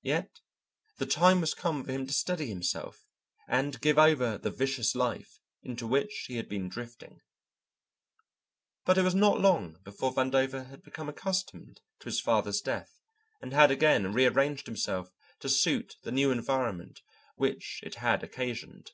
Yes, the time was come for him to steady himself, and give over the vicious life into which he had been drifting. But it was not long before Vandover had become accustomed to his father's death, and had again rearranged himself to suit the new environment which it had occasioned.